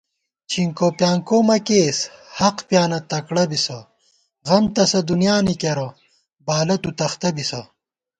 چِنکوپیانکو مہ کېئیس ، حق پیانہ تکڑہ بِسہ * غم تسہ دُنیانی کېرہ بالہ تُو تختہ بِسہ